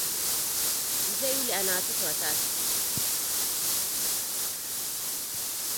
Mzee yule ana watoto watatu